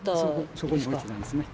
そこに干してたんですね。